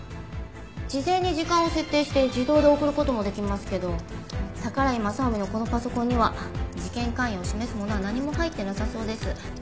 事前に時間を設定して自動で送る事もできますけど宝居雅臣のこのパソコンには事件関与を示すものは何も入ってなさそうです。